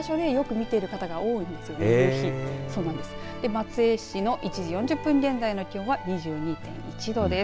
松江市の１時４０分現在の気温は２２．１度です。